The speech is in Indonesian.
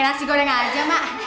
nasi goreng aja mak